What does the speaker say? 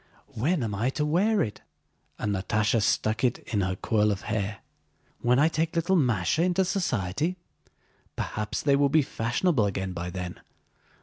"When am I to wear it?" and Natásha stuck it in her coil of hair. "When I take little Másha into society? Perhaps they will be fashionable again by then.